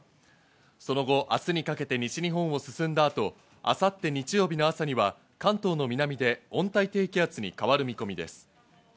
その後、明日にかけて西日本を進んだ後、明後日、日曜日の朝には関東の南で温帯低気圧に変わる見込みです。